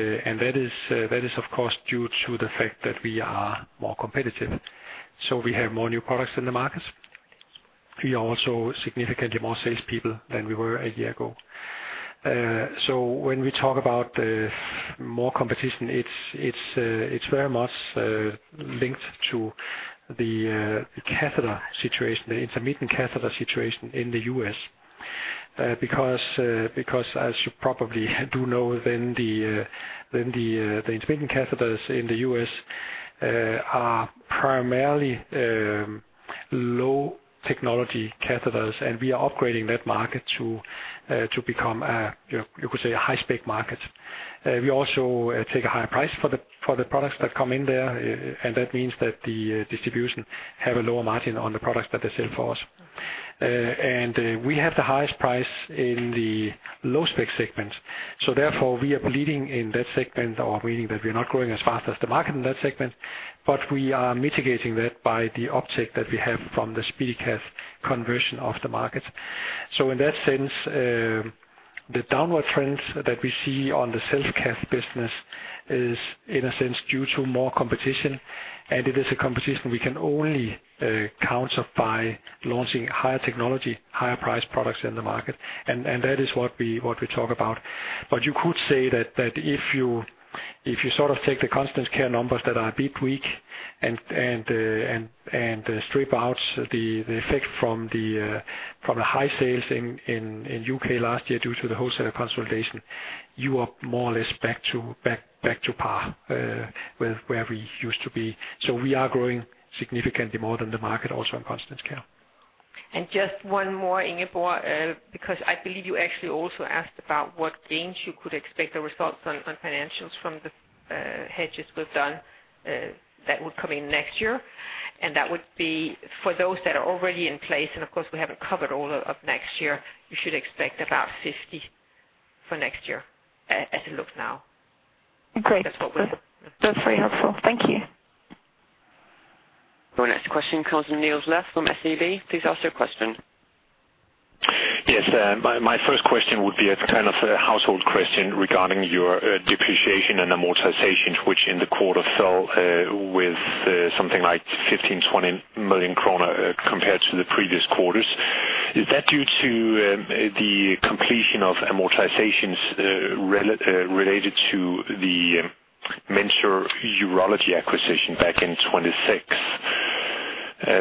is, of course, due to the fact that we are more competitive. We have more new products in the markets. We are also significantly more salespeople than we were a year ago. When we talk about more competition, it's very much linked to the catheter situation, the intermittent catheter situation in the U.S. Because as you probably do know, then the intermittent catheters in the U.S. are primarily low technology catheters, and we are upgrading that market to become a, you know, you could say, a high-spec market. We also take a higher price for the products that come in there. That means that the distribution have a lower margin on the products that they sell for us. We have the highest price in the low-spec segment, therefore we are bleeding in that segment, or meaning that we're not growing as fast as the market in that segment. We are mitigating that by the uptake that we have from the SpeediCath conversion of the market. In that sense, the downward trend that we see on the SelfCath business is, in a sense, due to more competition, and it is a competition we can only counter by launching higher technology, higher priced products in the market. That is what we talk about. You could say that if you sort of take the Continence Care numbers that are a bit weak and strip out the effect from the high sales in U.K. last year due to the wholesaler consolidation, you are more or less back to par with where we used to be. We are growing significantly more than the market, also in Continence Care. Just one more, Ingeborg, because I believe you actually also asked about what gains you could expect the results on financials from the hedges we've done, that would come in next year, and that would be for those that are already in place, and of course, we haven't covered all of next year. You should expect about 50 for next year as it looks now. Great. That's what we're- That's very helpful. Thank you. Our next question comes from Niels Granholm-Leth from SEB. Please ask your question. Yes, my first question would be a kind of a household question regarding your depreciation and amortization, which in the quarter fell with something like 15 million-20 million kroner compared to the previous quarters. Is that due to the completion of amortizations related to the Mentor Urology acquisition back in 2006?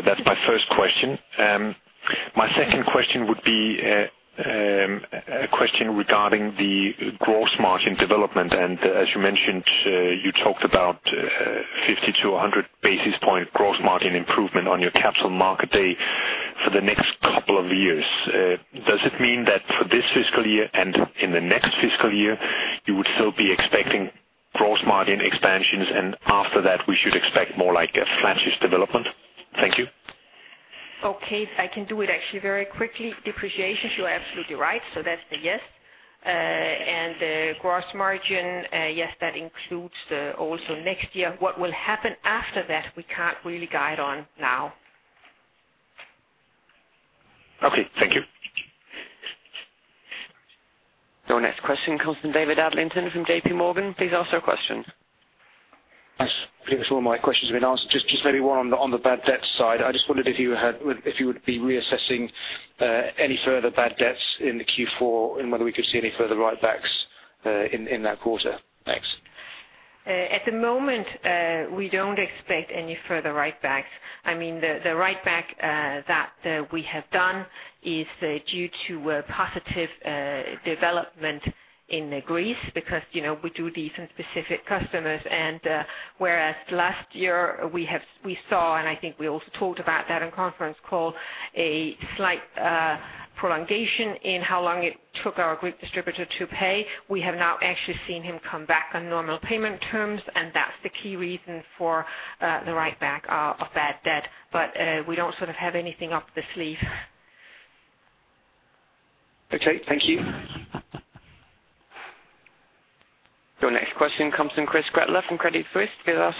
That's my first question. My second question would be a question regarding the gross margin development. As you mentioned, you talked about 50-100 basis point gross margin improvement on your Capital Market Day for the next couple of years. Does it mean that for this fiscal year and in the next fiscal year, you would still be expecting gross margin expansions, and after that, we should expect more like a flattish development? Thank you. I can do it actually very quickly. Depreciation, you are absolutely right, so that's a yes. The gross margin, yes, that includes the also next year. What will happen after that, we can't really guide on now. Okay, thank you. Your next question comes from David Adlington from J.P. Morgan. Please ask your question. I think all my questions have been asked. Just maybe one on the bad debt side. I just wondered if you would be reassessing any further bad debts in the Q4 and whether we could see any further write backs in that quarter. Thanks. At the moment, we don't expect any further write backs. I mean, the write back that we have done is due to a positive development in Greece, because, you know, we do these in specific customers. Whereas last year we saw, and I think we also talked about that in conference call, a slight prolongation in how long it took our Greek distributor to pay. We have now actually seen him come back on normal payment terms, and that's the key reason for the write back of bad debt. We don't sort of have anything up the sleeve. Okay, thank you. Your next question comes from Christoph Gretler from Credit Suisse. Please ask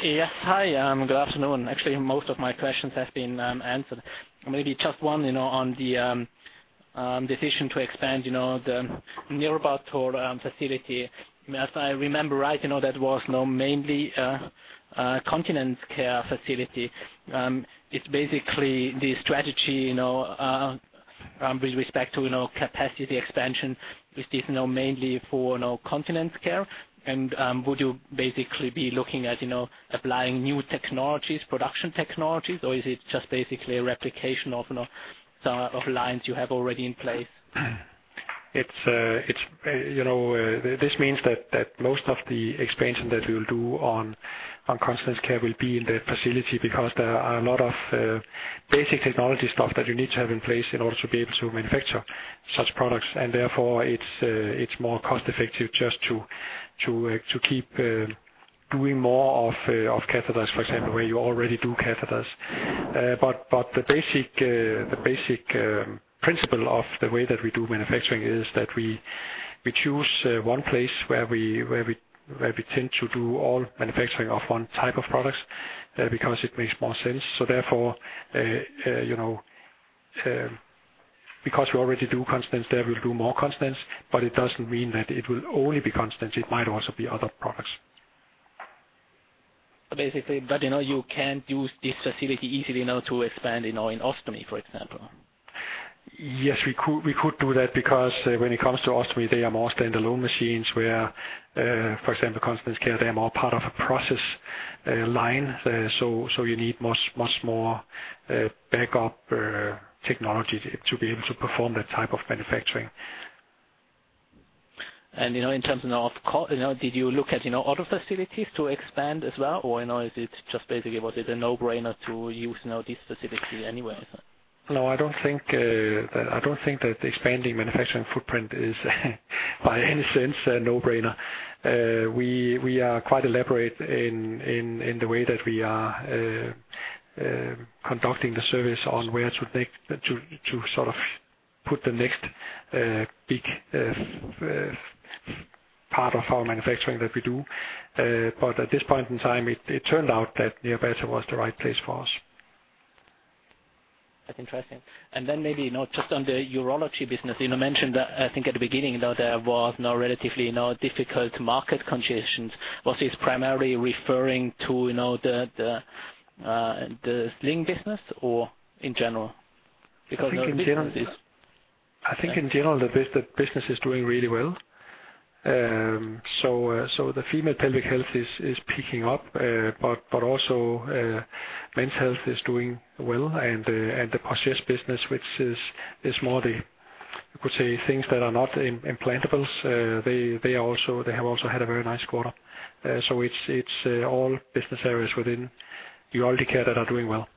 your question. Yes. Hi, good afternoon. Actually, most of my questions have been answered. Maybe just one, you know, on the decision to expand, you know, the Nyírbátor facility. If I remember right, you know, that was mainly a Continence Care facility. It's basically the strategy, you know, with respect to, you know, capacity expansion, is this, you know, mainly for, you know, Continence Care? Would you basically be looking at, you know, applying new technologies, production technologies, or is it just basically a replication of, you know, of lines you have already in place? It's, you know, this means that most of the expansion that we will do on continence care will be in the facility because there are a lot of basic technology stuff that you need to have in place in order to be able to manufacture such products. Therefore it's more cost effective just to keep doing more of catheters, for example, where you already do catheters. The basic, the basic principle of the way that we do manufacturing is that we choose one place where we tend to do all manufacturing of one type of products because it makes more sense. Therefore, you know, because we already do continence there, we'll do more continence, but it doesn't mean that it will only be continence, it might also be other products. Basically, you know, you can use this facility easily now to expand, you know, in Ostomy, for example. Yes, we could do that, because when it comes to ostomy, they are more standalone machines where, for example, continence care, they are more part of a process line. You need much more backup technology to be able to perform that type of manufacturing. you know, in terms of cost, you know, did you look at, you know, other facilities to expand as well? you know, is it just basically, was it a no-brainer to use, you know, this specifically anywhere? No, I don't think I don't think that expanding manufacturing footprint is by any sense, a no-brainer. We are quite elaborate in the way that we are conducting the service on where to take, to sort of put the next big part of our manufacturing that we do. At this point in time, it turned out that Nyírbátor was the right place for us. That's interesting. Then maybe, you know, just on the Urology business, you know, mentioned, I think at the beginning, though, there was no relatively, you know, difficult market conditions. Was this primarily referring to, you know, the, the sling business or in general? I think in general, the business is doing really well. The female pelvic health is picking up, but also men's health is doing well, and the business, which is more the, you could say things that are not implantables, they have also had a very nice quarter. It's all business areas within urology care that are doing well.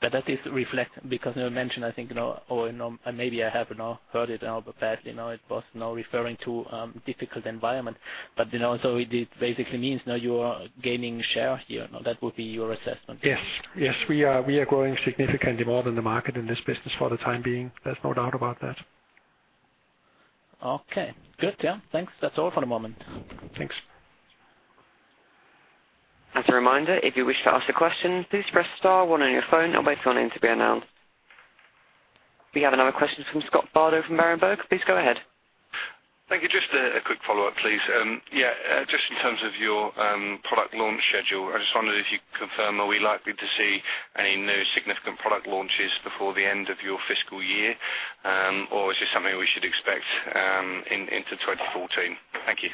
That is reflect because you mentioned, I think, you know, or maybe I have not heard it badly. No, it was no referring to, difficult environment, but, you know, it basically means now you are gaining share here. Now, that would be your assessment? Yes, we are growing significantly more than the market in this business for the time being. There's no doubt about that. Okay, good. Yeah. Thanks. That's all for the moment. Thanks. As a reminder, if you wish to ask a question, please press star one on your phone and wait for your name to be announced. We have another question from Scott Bardo from Berenberg. Please go ahead. Thank you. Just a quick follow-up, please. Yeah, just in terms of your product launch schedule, I just wondered if you could confirm, are we likely to see any new significant product launches before the end of your fiscal year? Or is this something we should expect into 2014? Thank you.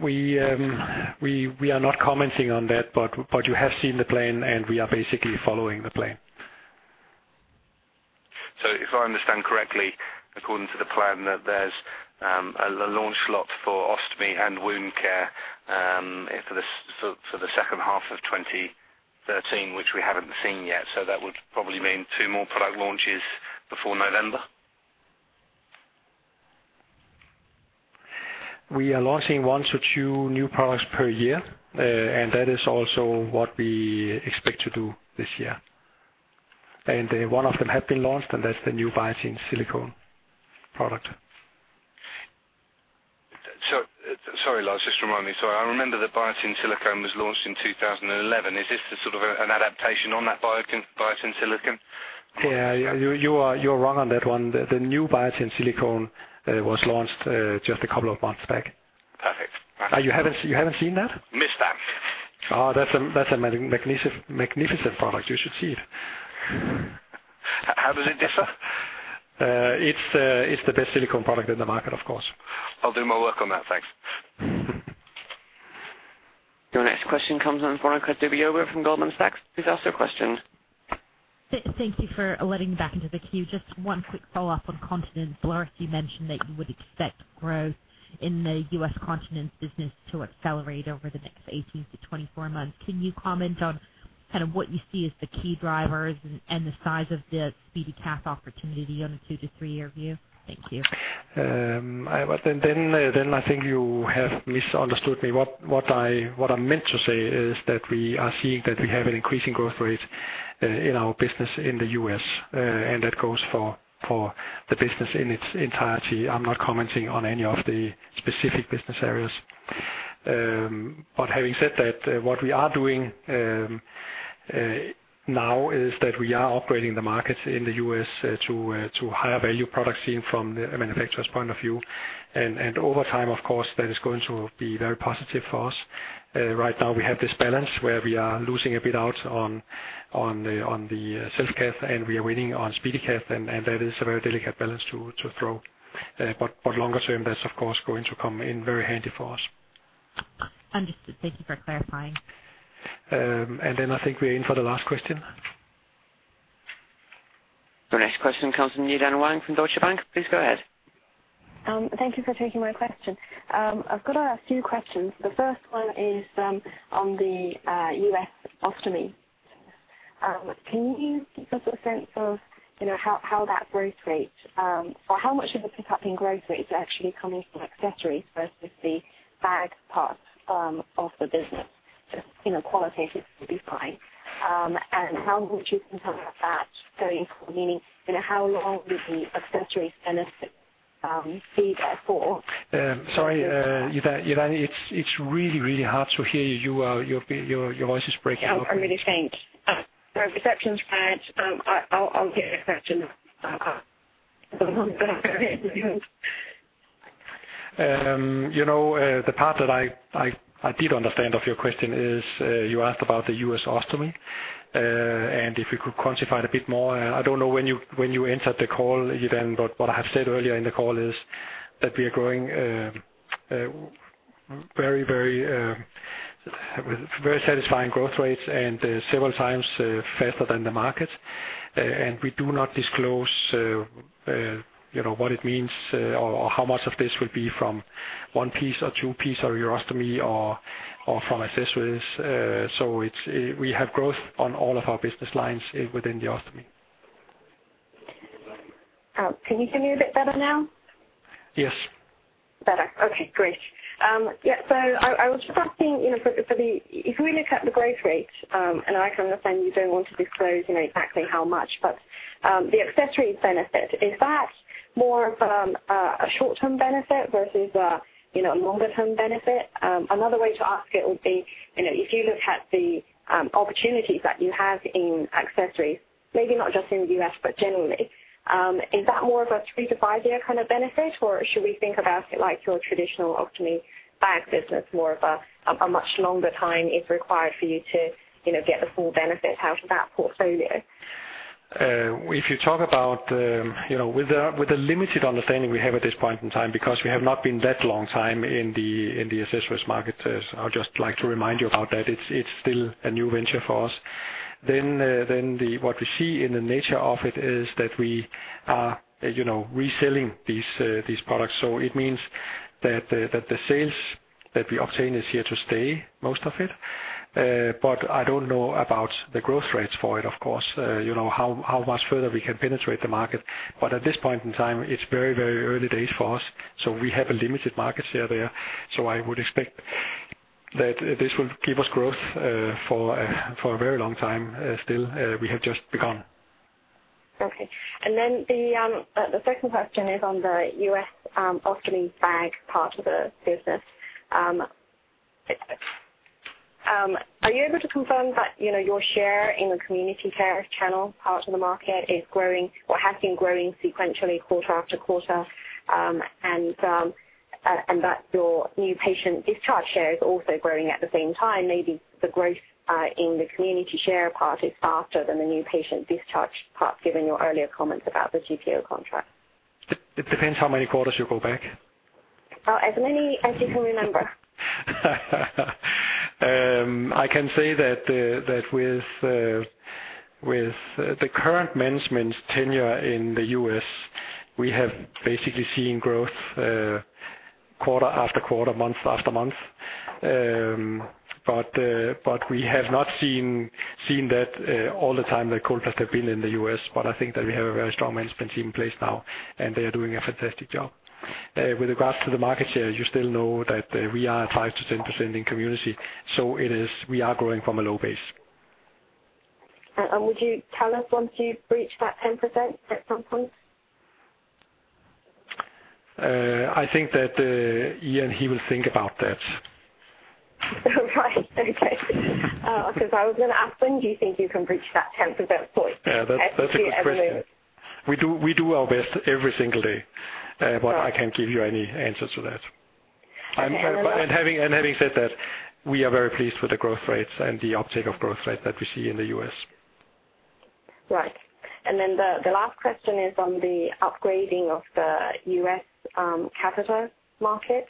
We are not commenting on that, but you have seen the plan, and we are basically following the plan. I understand correctly, according to the plan, that there's a launch slot for Ostomy and wound care, for the second half of 2013, which we haven't seen yet. That would probably mean two more product launches before November? We are launching one to two new products per year, and that is also what we expect to do this year. One of them have been launched, and that's the new Biatain Silicone product. Sorry, Lars, just remind me. I remember the Biatain Silicone was launched in 2011. Is this sort of an adaptation on that Biatain Silicone? Yeah, you're wrong on that one. The new Biatain Silicone was launched just a couple of months back. Perfect. You haven't seen that? Missed that. Oh, that's a magnificent product. You should see it. How does it differ? it's the best silicone product in the market, of course. I'll do my work on that. Thanks. Your next question comes on the line of Veronika Dubajova from Goldman Sachs. Please ask your question. Thank you for letting me back into the queue. Just one quick follow-up on continence. Lars, you mentioned that you would expect growth in the U.S. continence business to accelerate over the next 18-24 months. Can you comment on kind of what you see as the key drivers and the size of the SpeediCath opportunity on a two to three year view? Thank you. I then I think you have misunderstood me. What I meant to say is that we are seeing that we have an increasing growth rate in our business in the U.S., and that goes for the business in its entirety. I'm not commenting on any of the specific business areas. But having said that, what we are doing now is that we are operating the market in the U.S. to higher value products seen from the manufacturer's point of view. Over time, of course, that is going to be very positive for us. Right now we have this balance where we are losing a bit out on the self-care, and we are winning on SpeediCath, and that is a very delicate balance to throw. longer term, that's of course, going to come in very handy for us. Understood. Thank you for clarifying. I think we're in for the last question. The next question comes from Yi-Dan Wang from Deutsche Bank. Please go ahead. Thank you for taking my question. I've got a few questions. The first one is on the US Ostomy. Can you give us a sense of, you know, how that growth rate, or how much of the pickup in growth rate is actually coming from accessories versus the bag part of the business? Just, you know, qualitatively would be fine. How would you think about that going forward, meaning, you know, how long would the accessories benefit be there for? Sorry, Yudan, it's really hard to hear you. Your voice is breaking up. I really think, my reception's bad. I'll get back to you. You know, the part that I did understand of your question is, you asked about the U.S. Ostomy, and if you could quantify it a bit more. I don't know when you entered the call, Yi-Dan, but what I have said earlier in the call is that we are growing very, very satisfying growth rates and several times faster than the market. We do not disclose, you know, what it means or how much of this will be from one piece or two piece, or urostomy or from accessories. It's, we have growth on all of our business lines within the Ostomy. Can you hear me a bit better now? Yes. Better. Okay, great. I was just asking, you know, if we look at the growth rate, I can understand you don't want to disclose, you know, exactly how much, the accessories benefit, is that more of a short-term benefit versus a, you know, a longer-term benefit? Another way to ask it would be, you know, if you look at the opportunities that you have in accessories, maybe not just in the U.S., but generally, is that more of a three to five year kind of benefit, or should we think about it like your traditional ostomy bag business, more of a much longer time is required for you to, you know, get the full benefit out of that portfolio? If you talk about, you know, with a limited understanding we have at this point in time, because we have not been that long time in the accessories market. I'd just like to remind you about that. It's still a new venture for us. What we see in the nature of it is that we are, you know, reselling these products. It means that the sales that we obtain is here to stay, most of it. But I don't know about the growth rates for it of course, you know, how much further we can penetrate the market. At this point in time, it's very, very early days for us, so we have a limited market share there. I would expect that this will give us growth, for a very long time. Still, we have just begun. Okay. The second question is on the U.S. ostomy bag part of the business. Are you able to confirm that, you know, your share in the community care channel part of the market is growing or has been growing sequentially quarter after quarter? And that your new patient discharge share is also growing at the same time. Maybe the growth in the community share part is faster than the new patient discharge part, given your earlier comments about the GPO contract. It depends how many quarters you go back.... or as many as you can remember? I can say that with the current management's tenure in the U.S., we have basically seen growth, quarter after quarter, month after month. We have not seen that all the time that Coloplast have been in the U.S., but I think that we have a very strong management team in place now, and they are doing a fantastic job. With regards to the market share, you still know that we are at 5%-10% in community, it is, we are growing from a low base. Would you tell us once you've reached that 10% at some point? I think that, Ian, he will think about that. All right. Okay. I was gonna ask, when do you think you can reach that 10% point? Yeah, that's a good question. At every move. We do our best every single day, but I can't give you any answers to that. the last- Having said that, we are very pleased with the growth rates and the uptake of growth rate that we see in the U.S. Right. The last question is on the upgrading of the US capital market.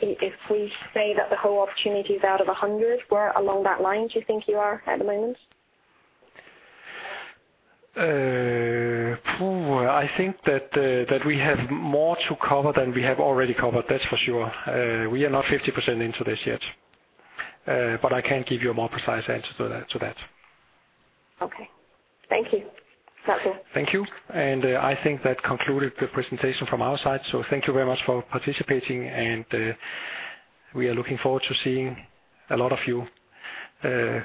If we say that the whole opportunity is out of 100, where along that line do you think you are at the moment? I think that we have more to cover than we have already covered, that's for sure. We are not 50% into this yet, but I can't give you a more precise answer to that, to that. Okay. Thank you, that's all. Thank you. I think that concluded the presentation from our side. Thank you very much for participating, and we are looking forward to seeing a lot of you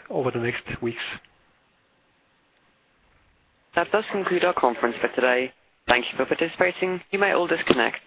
over the next weeks. That does conclude our conference for today. Thank you for participating. You may all disconnect.